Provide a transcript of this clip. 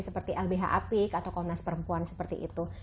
seperti lbhap atau komnas perempuan seperti itu